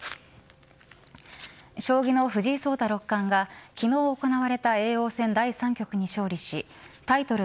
将棋の藤井聡太六冠が昨日、行われた叡王戦第３局に勝利しタイトル